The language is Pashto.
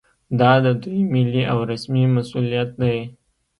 دا د دوی ملي او رسمي مسوولیت دی